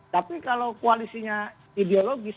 tapi kalau koalisinya ideologis